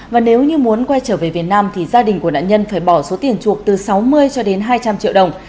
và nếu như muốn quay trở về việt nam thì gia đình của nạn nhân phải bỏ số tiền chuộc từ sáu mươi cho đến hai trăm linh triệu đồng